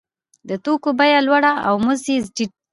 د توکو بیه لوړه او مزد یې ټیټ دی